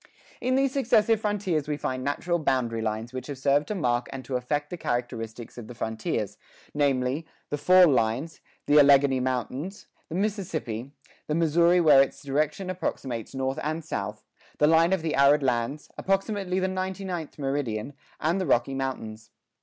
In these successive frontiers we find natural boundary lines which have served to mark and to affect the characteristics of the frontiers, namely: the "fall line;" the Alleghany Mountains; the Mississippi; the Missouri where its direction approximates north and south; the line of the arid lands, approximately the ninety ninth meridian; and the Rocky Mountains.